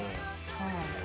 そうなんだ。